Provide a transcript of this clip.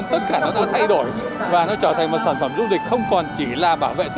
tất cả nó thay đổi và nó trở thành một sản phẩm du lịch không còn chỉ là bảo vệ sức khỏe